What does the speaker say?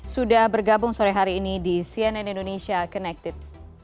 sudah bergabung sore hari ini di cnn indonesia connected